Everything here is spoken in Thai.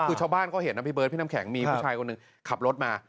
คือชาวบ้านเขาเห็นนะพี่เบิร์ดพี่น้ำแข็งมีผู้ชายคนหนึ่งขับรถมา